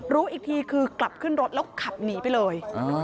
รู้อีกทีคือกลับขึ้นรถแล้วขับหนีไปเลย